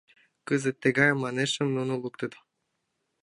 Кызытат тыгай «манешым» нуно луктыт.